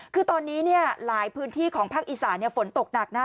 คือตอนนี้เนี่ยหลายพื้นที่ของภาคอีสานฝนตกหนักนะ